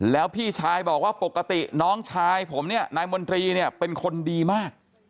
แล้วพี่ชายบอกว่าปกติน้องชายผมเนี่ยนายมนตรีเนี่ยเป็นคนดีมาก